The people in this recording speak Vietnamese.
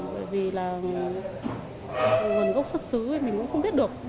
bởi vì là gần gốc xuất xứ thì mình cũng không biết được